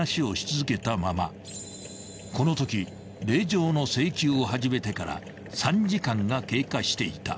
［このとき令状の請求を始めてから３時間が経過していた］